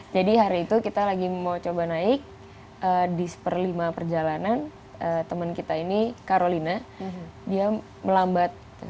jadi hari itu kita lagi mau coba naik di seperlima perjalanan teman kita ini carolina dia melambat